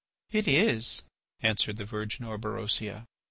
"It is," answered the virgin Orberosia.